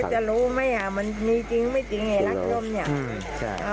เราจะรู้ไหมอ่ะมันมีจริงไม่จริงไงลักษณ์จมเนี่ยอืมใช่